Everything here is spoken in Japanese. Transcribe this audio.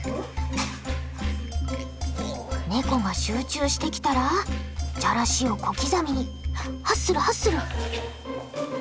ネコが集中してきたらじゃらしを小刻みにハッスルハッスル！